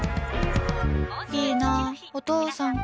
いいな、お父さんか。